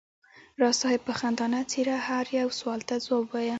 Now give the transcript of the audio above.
راز صاحب په خندانه څېره هر یو سوال ته ځواب وایه.